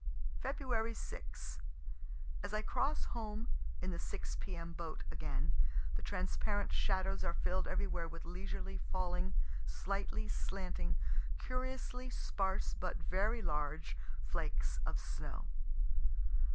Feb. 6. As I cross home in the 6 P. M. boat again, the transparent shadows are filled everywhere with leisurely falling, slightly slanting, curiously sparse but very large, flakes of snow.